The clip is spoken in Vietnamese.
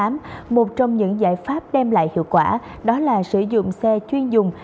một trong những giải pháp đem lại hiệu quả đó là sử dụng xe chuyên dùng